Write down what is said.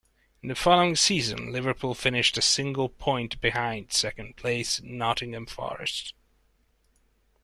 In the following season, Liverpool finished a single point behind second-placed Nottingham Forest.